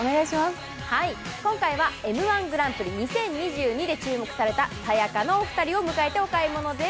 今回はＭ−１グランプリ２０２２で注目されたさや香のお二人を迎えてお買い物です。